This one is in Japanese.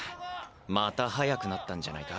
また速くなったんじゃないか？